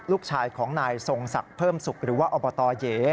ลูกชายของนายทรงศักดิ์เพิ่มสุขหรือว่าอบตเย๋